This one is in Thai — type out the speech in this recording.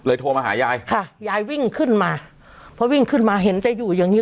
โทรมาหายายค่ะยายวิ่งขึ้นมาพอวิ่งขึ้นมาเห็นจะอยู่อย่างงี้